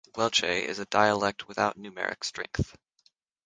Welche is a dialect without numeric strength.